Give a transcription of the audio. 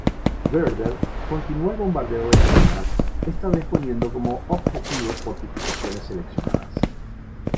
Werder continuó el bombardeo de la ciudad, esta vez poniendo como objetivos fortificaciones seleccionadas.